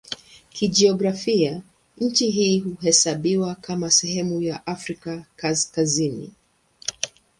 Kijiografia nchi hii huhesabiwa kama sehemu ya Afrika ya Kaskazini.